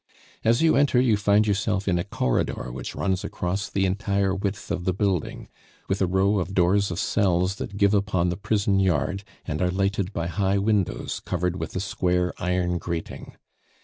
As you enter you find yourself in a corridor which runs across the entire width of the building, with a row of doors of cells that give upon the prison yard and are lighted by high windows covered with a square iron grating.